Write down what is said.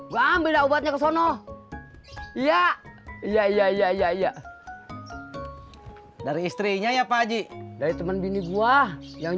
gua ambil obatnya kesana iya iya iya iya iya dari istrinya ya pak haji dari teman bini gua yang